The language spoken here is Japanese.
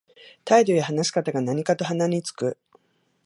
態度や話し方が何かと鼻につく